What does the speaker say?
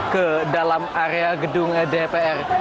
ke dalam area gedung dpr